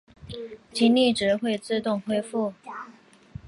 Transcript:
精力值会自动恢复。